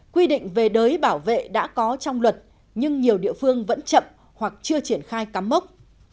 quy định về đới bảo vệ đã có trong luật nhưng nhiều địa phương vẫn chậm hoặc chưa triển khai cắm mốc